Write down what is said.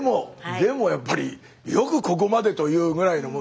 でもやっぱり「よくここまで」というぐらいのもんでございます。